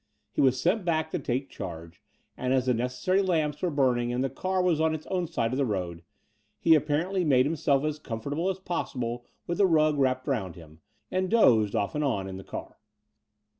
He was sent back to take charge; and, as the necessary lamps were burning and the car was on its own side of the road, he apparently made himself as comfortable as possible with the rug wrapped round him, and dozed off and on in the car.